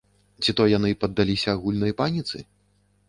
Ці то яны паддаліся агульнай паніцы?